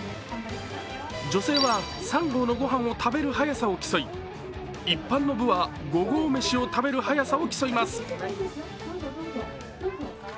女性は３合のご飯を食べる速さを競い、一般の部は五合飯を食べる速さを競います。